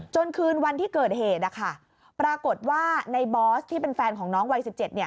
คืนวันที่เกิดเหตุปรากฏว่าในบอสที่เป็นแฟนของน้องวัย๑๗